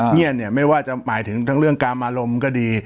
เงียบเนี่ยไม่ว่าจะหมายถึงทั้งเรื่องกามอารมณ์ก็ดี